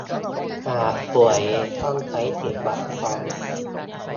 หากป่วยต้องใช้สิทธิบัตรทอง